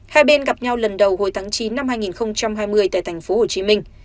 hai bên gặp nhau lần đầu hồi tháng chín năm hai nghìn hai mươi tại thành phố hồ chí minh